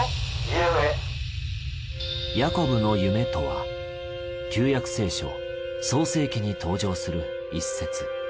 ヤコブの夢とは旧約聖書創世記に登場する一節。